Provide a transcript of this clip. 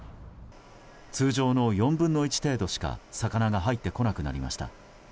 通常の４分の１程度しか魚が入ってこなくなりました。